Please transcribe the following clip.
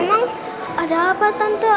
memang ada apa tante